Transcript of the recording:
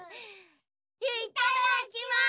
いっただきます！